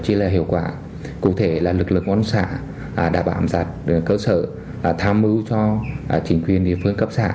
chính quyền địa phương cấp xã đã tham mưu